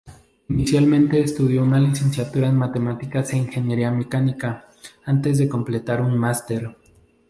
Inicialmente estudió una licenciatura en matemáticas e ingeniería mecánica, antes de completar un máster.